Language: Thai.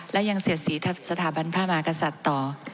และยังเสียดสีสถาบันพระมหากษัตริย์ต่อ